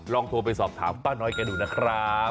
ลองโทรไปสอบถามป้าน้อยแกดูนะครับ